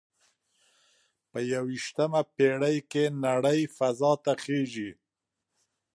په یوویشتمه پیړۍ کې نړۍ فضا ته خیږي